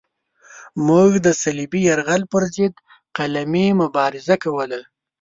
موږ د صلیبي یرغل پرضد قلمي مبارزه کوله.